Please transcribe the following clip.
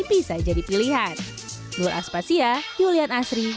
bisa jadi pilihan